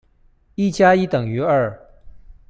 一加一等於二。